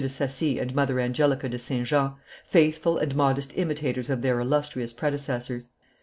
de Saci and Mother Angelica de St. Jean, faithful and modest imitators of their illustrious predecessors.